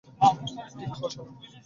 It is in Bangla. ঠিক হ, শালা।